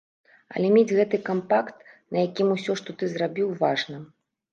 Але мець гэты кампакт, на якім усё, што ты зрабіў, важна.